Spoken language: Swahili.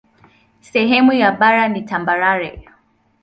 Sehemu ya bara ni tambarare.